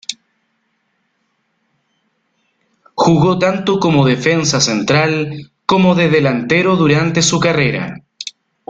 Jugó tanto como defensa central como de delantero durante su carrera.